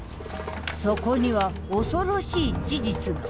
そこには恐ろしい事実が。